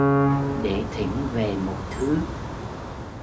Để thỉnh về một thứ